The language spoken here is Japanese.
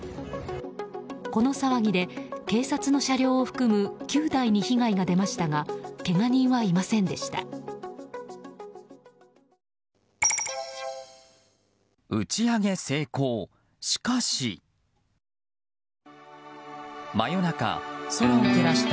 この騒ぎで警察の車両を含む９台に被害が出ましたがけが人はいませんでした。